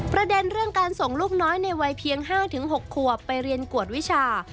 ประเด็นเรื่องการส่งลูกน้อยในวัยเพียง๕๖ขวบไปเรียนกวดวิชา